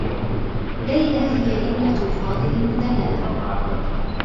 ليلى هي ابنة فاضل المدلّلة.